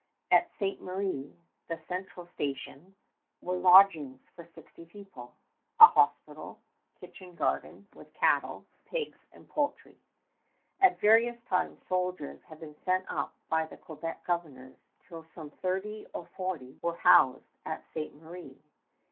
At Ste. Marie, the central station, were lodgings for sixty people, a hospital, kitchen garden, with cattle, pigs, and poultry. At various times soldiers had been sent up by the Quebec governors, till some thirty or forty were housed at Ste. Marie.